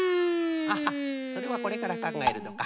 アハッそれはこれからかんがえるのか。